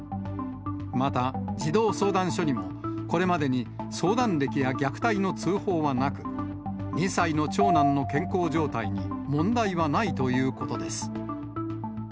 また、児童相談所にも、これまでに相談歴や虐待の通報はなく、２歳の長男の健康状態に問題はないということです。